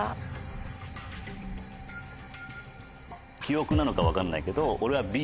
記憶なのか分かんないけど。